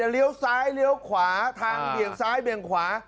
เลี้ยวซ้ายเลี้ยวขวาทางเบี่ยงซ้ายเบี่ยงขวา